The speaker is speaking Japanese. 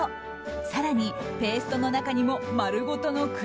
更に、ペーストの中にも丸ごとの栗。